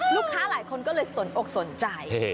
ลูกค้าหลายคนก็เลยสนอกสนใจ